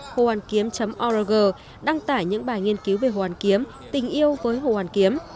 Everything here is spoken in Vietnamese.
hôaniếm org đăng tải những bài nghiên cứu về hồ hoàn kiếm tình yêu với hồ hoàn kiếm